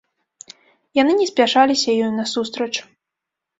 Яны не спяшаліся ёй насустрач.